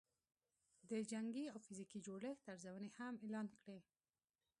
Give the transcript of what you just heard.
د جنګي او فزیکي جوړښت ارزونې هم اعلان کړې